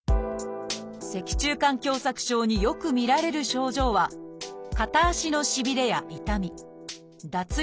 脊柱管狭窄症によく見られる症状は片足の「しびれ」や「痛み」「脱力感」です